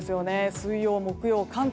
水曜、木曜、関東。